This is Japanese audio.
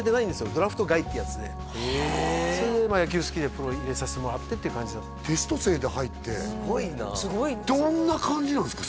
ドラフト外ってやつでそれでまあ野球好きでプロに入れさせてもらってっていう感じだったテスト生で入ってすごいなどんな感じなんですか？